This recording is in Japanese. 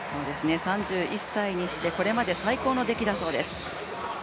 ３１歳にしてこれまで最高の出来だそうです。